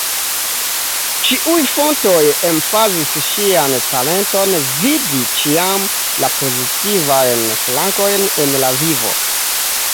Ĉiuj fontoj emfazis ŝian talenton vidi ĉiam la pozitivajn flankojn en la vivo.